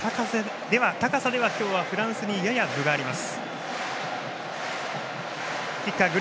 高さでは今日はフランスにやや分があります。